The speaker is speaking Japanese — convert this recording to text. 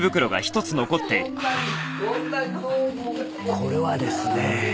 ああこれはですね